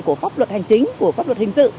của pháp luật hành chính của pháp luật hình sự